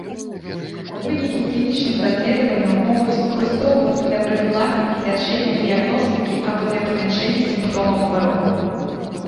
Вынікі клінічных даследаванняў могуць выкарыстоўвацца для прафілактыкі, лячэння, дыягностыкі або для памяншэння сімптомаў хваробы.